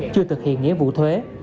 chưa thực hiện nghĩa vụ thuế